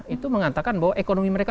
itu mengatakan bahwa ekonomi mereka